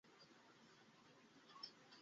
কারণ তোমার মৃত্যুর সময় গণনা তো শুরু হয়ে গেছে।